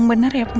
papa batu diambil